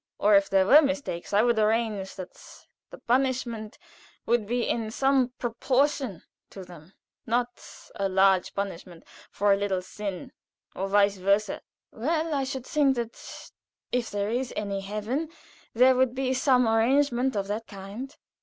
Or, if there were mistakes, I would arrange that the punishment should be in some proportion to them not a large punishment for a little sin, and vice versâ." "Well, I should think that if there is any heaven there would be some arrangement of that kind."